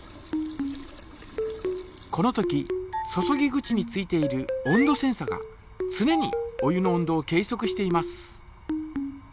このとき注ぎ口に付いている温度センサがつねにお湯の温度を計そくしています。